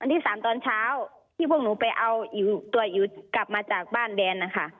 ที่สามตอนเช้าที่พวกหนูไปเอาอิ๋วตัวอิ๋วกลับมาจากบ้านแดนนะคะ